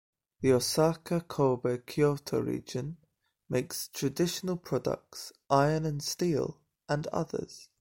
The Osaka-Kobe-Kioto region makes traditional products, iron and steel, and others.